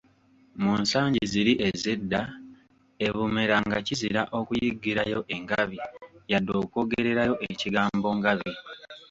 Mu nsangi ziri ez'edda, e Bumera nga kizira okuyiggirayo engabi, yadde okwogererayo ekigambo Ngabi.